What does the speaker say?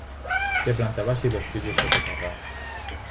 Té planta baixa i dos pisos sota terrat.